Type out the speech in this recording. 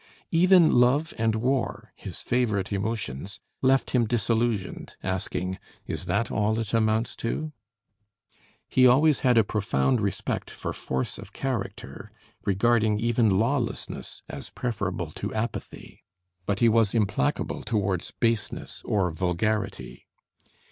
Even love and war, his favorite emotions, left him disillusioned, asking "Is that all it amounts to?" He always had a profound respect for force of character, regarding even lawlessness as preferable to apathy; but he was implacable towards baseness or vulgarity.